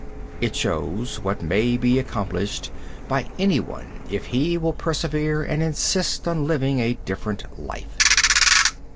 It shows what may be accomplished by anyone if he will persevere and insist on living a different life.